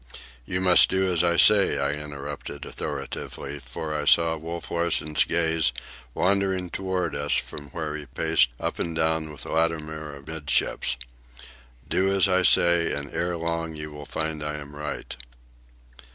"You must do as I say," I interrupted authoritatively, for I saw Wolf Larsen's gaze wandering toward us from where he paced up and down with Latimer amidships. "Do as I say, and ere long you will find I am right."